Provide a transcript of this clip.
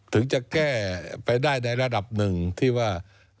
ถึงจะแก้ไปได้ในระดับหนึ่งที่ว่า